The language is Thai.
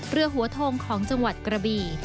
เรือหัวโทงของจังหวัดกระบี่